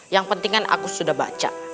yang penting kan aku sudah baca